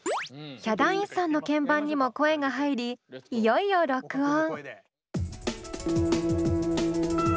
ヒャダインさんの鍵盤にも声が入りいよいよ録音。